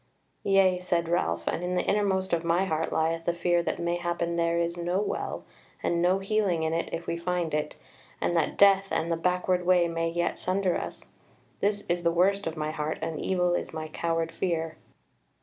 "Yea," said Ralph, "and in the innermost of my heart lieth the fear that mayhappen there is no Well, and no healing in it if we find it, and that death, and the backward way may yet sunder us. This is the worst of my heart, and evil is my coward fear."